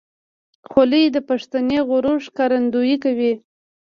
خولۍ د پښتني غرور ښکارندویي کوي.